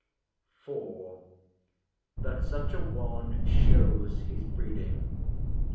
IV.—THAT SUCH A ONE SHOWS HIS BREEDING.